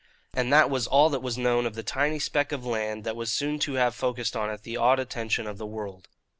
And that was all that was known of the tiny speck of land that was soon to have focussed on it the awed attention of the world.